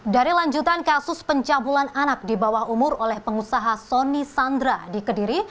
dari lanjutan kasus pencabulan anak di bawah umur oleh pengusaha sony sandra di kediri